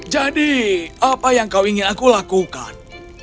jadi apa yang kau ingin aku lakukan